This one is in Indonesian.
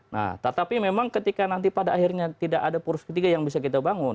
nah tetapi memang ketika nanti pada akhirnya tidak ada poros ketiga yang bisa kita bangun